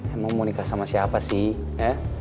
emang mau nikah sama siapa sih ya